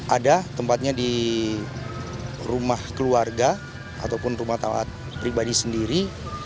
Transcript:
ada tempatnya di rumah keluarga ataupun rumah taat pribadi sendiri